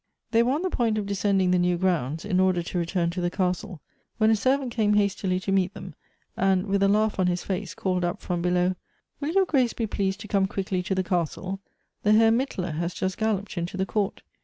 They were on the point of descending the new grounds, in order to return to the castle, when a servant came hastily to meet them, and, with a laugh on his face, called up from below, " Will your grace be pleased to come quickly to the castle ? The Hen Mittler has just galloped into the court.